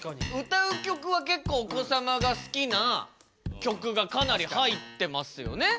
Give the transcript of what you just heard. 歌う曲は結構お子さまが好きな曲がかなり入ってますよね。